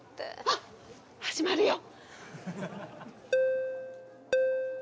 あっ始まるよ！